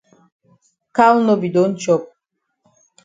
Cow no be don chop.